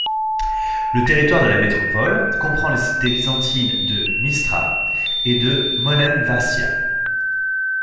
Le territoire de la métropole comprend les cités byzantines de Mystra et de Monemvassia.